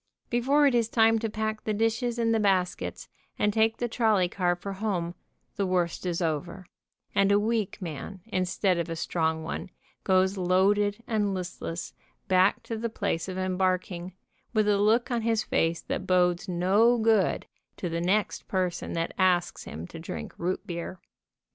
Before it is time to pack the dishes in the baskets and take the trolley car for home, the worst is over, and a weak man instead of a strong one goes loaded and listless back to the place of em barking, with a look on his face that bodes no' good to the next person that asks him to drink root beer.